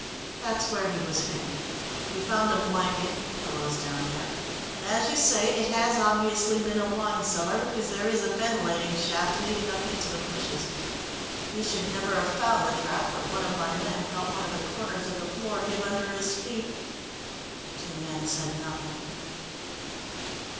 "That's where he was hidden. We found a blanket, and pillows, down there, and, as you say, it has obviously been a wine cellar, because there is a ventilating shaft leading up into the bushes. We should never have found the trap, but one of my men felt one of the corners of the floor give under his feet." The two men said nothing.